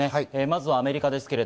まずはアメリカです。